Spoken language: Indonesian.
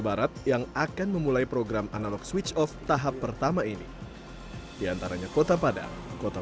barat yang akan memulai program analog switch off tahap pertama ini diantaranya kota padang kota